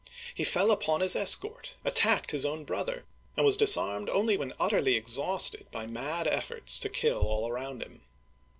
He fell upon his escort, attacked his own brother, and was disarmed only when utterly exhausted by mad efforts to kill all around him.